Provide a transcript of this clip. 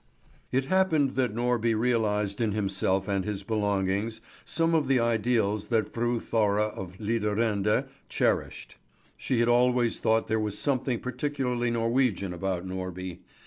It happened that Norby realised in himself and his belongings some of the ideals that Fru Thora of Lidarende cherished. She had always thought there was something particularly Norwegian about Norby.